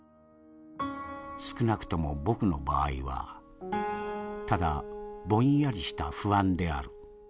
少なくとも僕の場合はただぼんやりした不安である。